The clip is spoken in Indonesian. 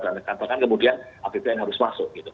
dan kemudian apbn harus masuk